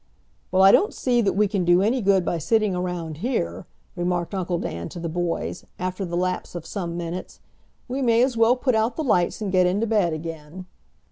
"Well, I don't see that we can do any good by sitting around here," remarked Uncle Dan to the boys, after the lapse of some minutes. "We may as well put out the lights and get into bed again."